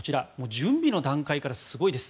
準備の段階からすごいです。